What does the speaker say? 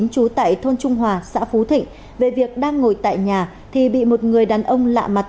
trú tại thôn trung hòa xã phú thịnh về việc đang ngồi tại nhà thì bị một người đàn ông lạ mặt